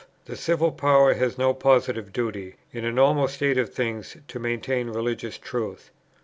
The civil power has no positive duty, in a normal state of things, to maintain religious truth.